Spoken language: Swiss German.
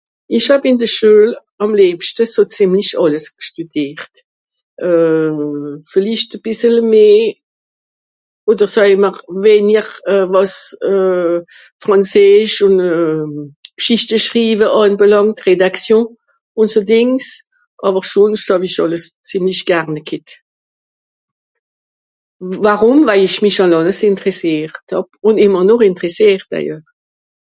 ìsch hàb ìn de schuel àm lebschte so zemlich àlles g'stùdiert euh villicht à bìssel mehr òder seuje mr wenier euh wàs euh frànzeesch euh ùn g'schichte schriwe anbelàngt rédaction ùn so dìngs àwer schònscht hàw'isch àlles zemlich garn g'hett warum waij isch mich àn àlles ìnterressiert hàb ùn ìmmer nòch ìnterresiert d'ailleurs